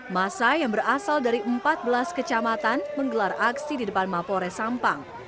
masa yang berasal dari empat belas kecamatan menggelar aksi di depan mapores sampang